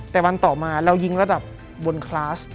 แต่วันต่อมาเรายิงระดับบนคลาส